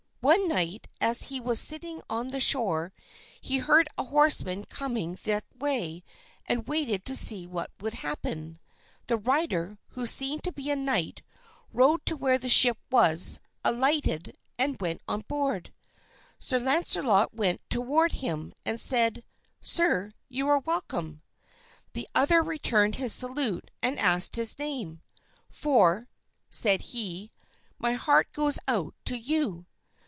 One night as he was sitting on the shore, he heard a horseman coming that way and waited to see what would happen. The rider, who seemed to be a knight, rode to where the ship was, alighted, and went on board. Sir Launcelot went toward him and said, "Sir, you are welcome." The other returned his salute and asked his name, "for," said he, "my heart goes out to you."